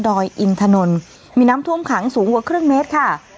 อยอินถนนมีน้ำท่วมขังสูงกว่าครึ่งเมตรค่ะ